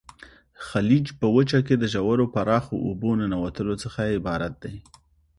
خلیج په وچه کې د ژورو پراخو اوبو ننوتلو څخه عبارت دی.